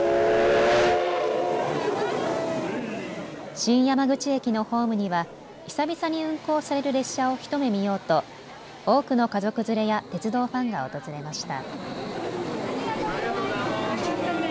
新山口駅のホームには久々に運行される列車を一目見ようと多くの家族連れや鉄道ファンが訪れました。